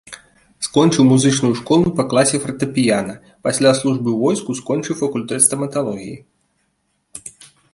Скончыў музычную школу па класе фартэпіяна, пасля службы ў войску скончыў факультэт стаматалогіі.